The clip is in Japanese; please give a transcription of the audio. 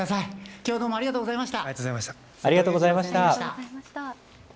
きょうはどうもありがとうございありがとうございました。